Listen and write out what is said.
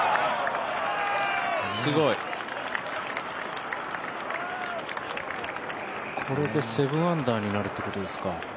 すごい！これで７アンダーになるということですか。